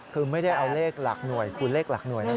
คือไม่ได้เอาเลขหลักหน่วยคูณเลขหลักหน่วยแล้วนะ